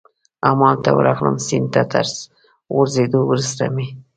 همالته ورغلم، سیند ته تر غورځېدو وروسته مې.